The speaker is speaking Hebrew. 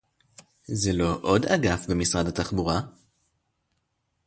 זה לא עוד אגף במשרד התחבורה